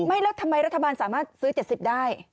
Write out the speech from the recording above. แล้วทำไมรัฐบาลสามารถซื้อ๗๐ได้